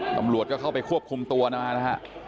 ตำรวจก็เข้าไปควบคุมตัวมานะฮะ